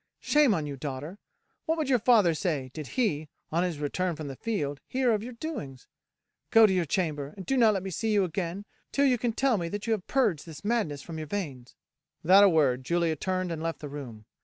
Shame on you, daughter! What would your father say, did he, on his return from the field, hear of your doings? Go to your chamber, and do not let me see you again till you can tell me that you have purged this madness from your veins." Without a word Julia turned and left the room.